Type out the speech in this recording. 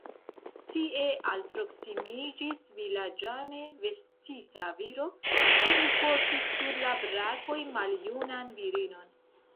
Tie alproksimiĝis vilaĝane vestita viro, kiu portis sur la brakoj maljunan virinon.